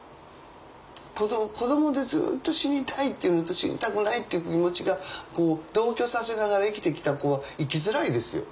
子供でずっと死にたいっていうのと死にたくないっていう気持ちがこう同居させながら生きてきた子は生きづらいですよ。